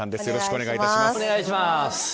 よろしくお願いします。